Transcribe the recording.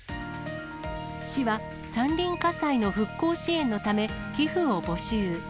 市は山林火災の復興支援のため、寄付を募集。